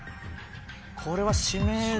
これは「指名」で。